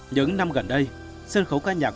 những năm gần đây sân khấu ca nhạc